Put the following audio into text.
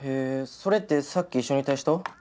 それってさっき一緒にいた人？